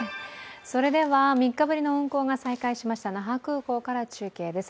それでは３日ぶりの運航が再開しました、那覇空港から中継です。